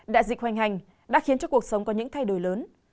đại dịch hoành hành đã khiến cho cuộc sống có những thay đổi lớn